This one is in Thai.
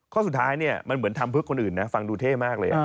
ข้อสุดท้ายเนี่ยมันเหมือนทำเพื่อคนอื่นนะฟังดูเท่มากเลย